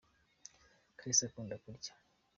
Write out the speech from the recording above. kalisa akunda kurya